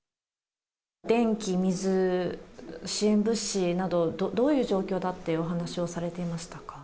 電気、水、支援物資など、どういう状況だっていうお話をされていましたか？